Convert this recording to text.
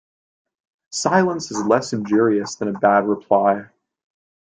Silence is less injurious than a bad reply.